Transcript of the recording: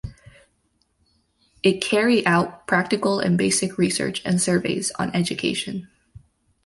It carry out practical and basic research and surveys on education.